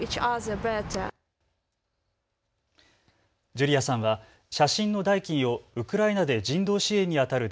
ジュリアさんは写真の代金をウクライナで人道支援にあたる